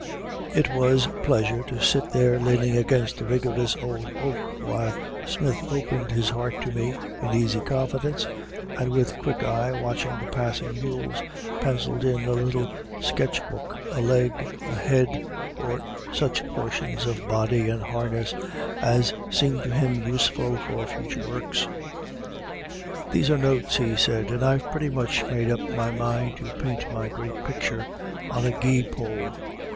It was pleasure to sit there leaning against a vigorous old oak while Smith opened his heart to me, in easy confidence, and, with quick eye watching the passing mules, penciled in a little sketch book a leg, a head, or such portions of body and harness as seemed to him useful for future works. "These are notes," he said, "and I've pretty much made up my mind to paint my great picture on a gee pull.